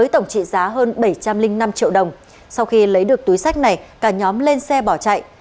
tổng trị giá hơn bảy trăm linh năm triệu đồng sau khi lấy được túi sách này cả nhóm lên xe bỏ chạy